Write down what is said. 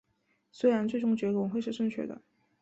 虽然最终结果会是正确的